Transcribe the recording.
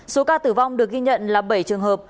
số ca tử vong được ghi nhận là bảy trường hợp